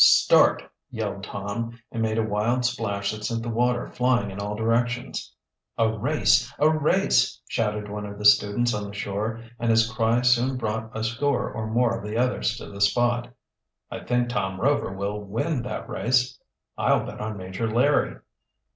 "Start!" yelled Tom, and made a wild splash that sent the water flying in all directions. "A race! A race!" shouted one of the students on the shore, and his cry soon brought a score or more of the others to the spot. "I think Tom Rover will win that race." "I'll bet on Major Larry."